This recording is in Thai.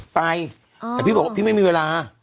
ไปแต่พี่บอกว่าพี่ไม่มีเวลา